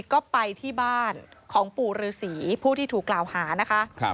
ก็ไปที่บ้านของปู่ฤษีผู้ที่ถูกกล่าวหานะคะ